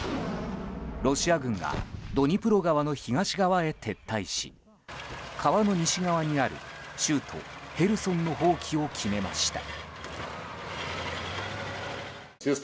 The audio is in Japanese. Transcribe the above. ロシア軍がドニプロ川の東側へ撤退し川の西側にある州都ヘルソンの放棄を決めました。